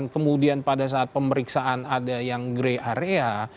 kemudian pada saat pemeriksaan ada yang grey area